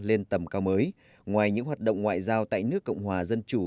lên tầm cao mới ngoài những hoạt động ngoại giao tại nước cộng hòa dân chủ